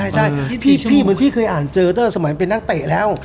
ใช่พี่เหมือนพี่เคยอ่านเจอตั้งแต่สมัยเป็นนักเตะแล้ว